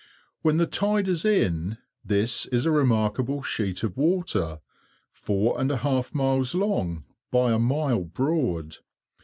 When the tide is in, this is a remarkable sheet of water, four and a half miles long by a mile broad.